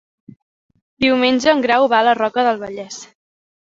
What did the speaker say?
Diumenge en Grau va a la Roca del Vallès.